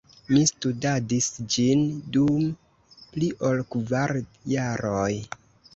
Mi studadis ĝin dum pli ol kvar jaroj.